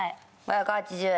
５８０円